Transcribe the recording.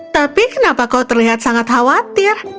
tapi kenapa kau terlihat sangat khawatir